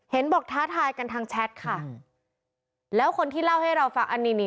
บอกท้าทายกันทางแชทค่ะแล้วคนที่เล่าให้เราฟังอันนี้นี่